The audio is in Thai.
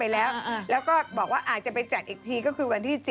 แล้วก็บอกว่าอาจจะไปจัดอีกทีก็คือวันที่๗